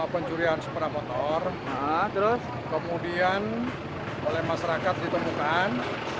pencurian sepeda motor kemudian oleh masyarakat ditemukan